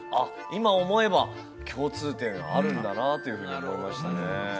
今思えば共通点あるんだなというふうに思いましたね